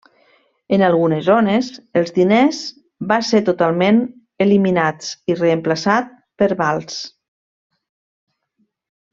En algunes zones, els diners va ser totalment eliminats i reemplaçats per vals.